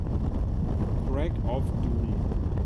Crack of doom